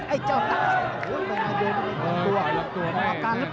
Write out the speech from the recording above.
ไอ้เจ้าตัก